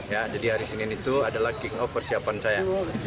ya jadi hari senin itu adalah kick off persiapan saya